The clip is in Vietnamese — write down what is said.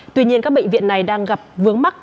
tuy nhiên các bệnh viện này đang gặp vướng mắt